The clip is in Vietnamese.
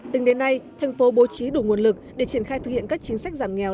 tính đến nay thành phố bố trí đủ nguồn lực để triển khai thực hiện các chính sách giảm nghèo